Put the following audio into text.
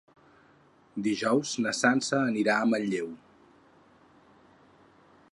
Dijous na Sança anirà a Manlleu.